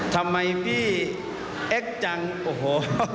ทำไมพี่เอ็กซ์จังโอ้โห